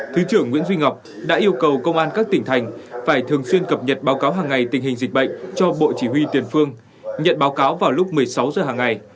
thứ trưởng nguyễn duy ngọc đã yêu cầu công an các tỉnh thành phải thường xuyên cập nhật báo cáo hàng ngày tình hình dịch bệnh cho bộ chỉ huy tiền phương nhận báo cáo vào lúc một mươi sáu h hàng ngày